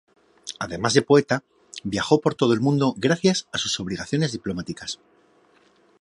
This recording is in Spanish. Además de poeta, viajó por todo el mundo gracias a sus obligaciones diplomáticas.